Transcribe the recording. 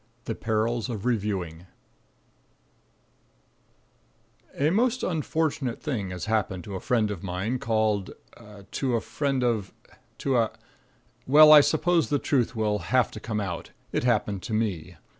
THE PERILS OF REVIEWING A most unfortunate thing has happened to a friend of mine called to a friend of to a . Well, I suppose the truth will have to come out. It happened to me.